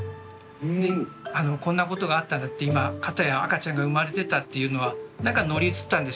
でこんなことがあったんだって今片や赤ちゃんが産まれてたっていうのは何か乗り移ったんでしょうね。